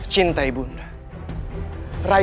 cinta ibu nda